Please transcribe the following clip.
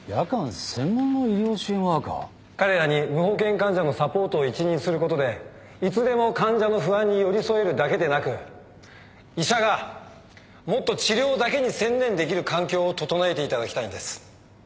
彼らに無保険患者のサポートを一任することでいつでも患者の不安に寄り添えるだけでなく医者がもっと治療だけに専念できる環境を整えていただきたいんです。